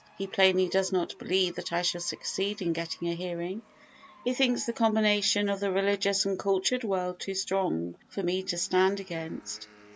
He plainly does not believe that I shall succeed in getting a hearing; he thinks the combination of the religious and cultured world too strong for me to stand against.